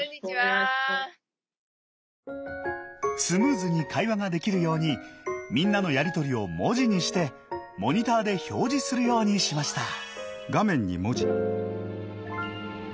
スムーズに会話ができるようにみんなのやり取りを文字にしてモニターで表示するようにしました。